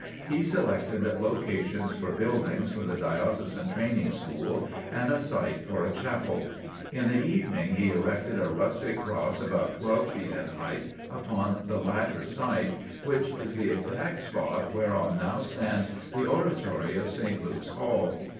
He selected locations for buildings for the Diocesan Training School and a site for a chapel. In the evening he erected a rustic cross about twelve feet in height, upon the latter site, which is the exact spot whereon now stands the oratory of St. Luke's Hall.